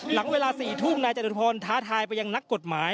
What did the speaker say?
หลังเวลา๔ทุ่มนายจตุพรท้าทายไปยังนักกฎหมาย